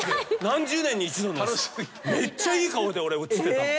何十年に一度のめっちゃいい顔で俺写ってたの。